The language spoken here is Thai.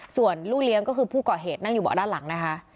ส่วนลูกเลี้ยงก็คือผู้ก่อเหตุนั่งอยู่เบาะด้านหลังนะคะ